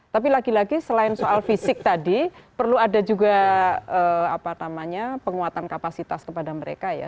tapi lagi lagi selain soal fisik tadi perlu ada juga penguatan kapasitas kepada mereka ya